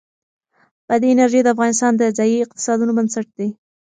بادي انرژي د افغانستان د ځایي اقتصادونو بنسټ دی.